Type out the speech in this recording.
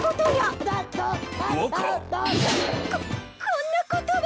ここんなことを。